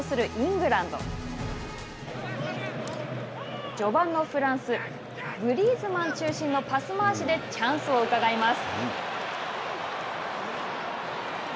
グリーズマン中心のパス回しでチャンスをうかがいます。